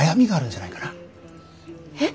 えっ？